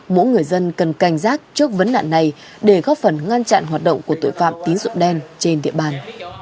mỗi người dân cần cảnh giác trước vấn nạn này để góp phần ngăn chặn hoạt động của tội phạm tín dụng đen trên địa bàn